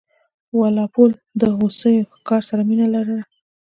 وال پول د هوسیو ښکار سره مینه لرله.